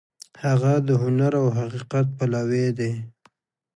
هغه د هنر او حقیقت پلوی دی.